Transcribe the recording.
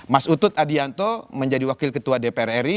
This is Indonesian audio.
mas utut adianto menjadi wakil ketua dpr ri